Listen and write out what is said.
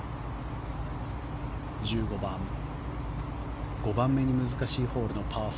１５番５番目に難しいホールのパー４。